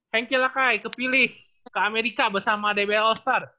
hengki lah kak ke pilih ke amerika bersama db all star